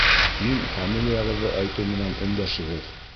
Мин фамилияғыҙҙы әйтеү менән өндәшегеҙ